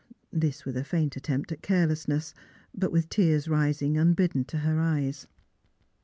This with a faint attempt at carelessness, but with tears rising unbidden to her eyes.